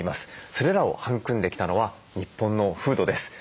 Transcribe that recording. それらを育んできたのは日本の風土です。